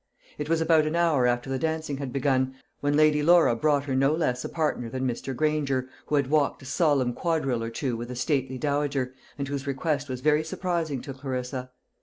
It was about an hour after the dancing had begun, when Lady Laura brought her no less a partner than Mr. Granger, who had walked a solemn quadrille or two with a stately dowager, and whose request was very surprising to Clarissa.